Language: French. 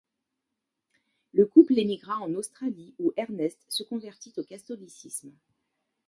Le couple émigra en Australie où Ernest se convertit au catholicisme.